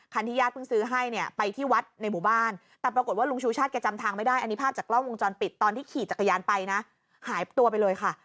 ที่ญาติเพิ่งซื้อให้เนี่ยไปที่วัดในหมู่บ้านแต่ปรากฏว่าลุงชูชาติแกจำทางไม่ได้อันนี้ภาพจากกล้องวงจรปิดตอนที่ขี่จักรยานไปนะหายตัวไปเลยค่ะ